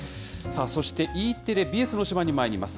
そして、Ｅテレ、ＢＳの推しバンにまいります。